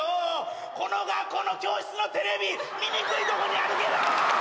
この学校の教室のテレビ見にくいとこにあるけど。